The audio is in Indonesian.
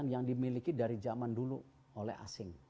yang dimiliki dari zaman dulu oleh asing